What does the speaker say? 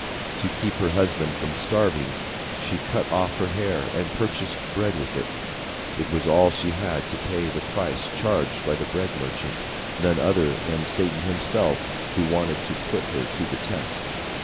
To keep her husband from starving, she cut off her hair, and purchased bread with it. It was all she had to pay the price charged by the bread merchant, none other than Satan himself, who wanted to put her to the test.